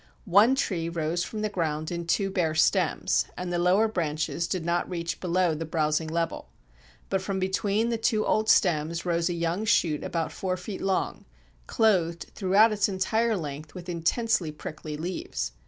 One tree rose from the ground in two bare stems, and the lower branches did not reach below the browsing level. But from between the two old stems rose a young shoot about four feet long, clothed throughout its entire length with intensely prickly leaves.